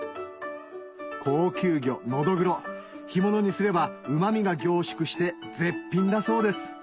高級魚ノドグロ干物にすればうま味が凝縮して絶品だそうです